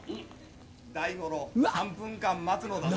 大五郎３分間待つのだぞ。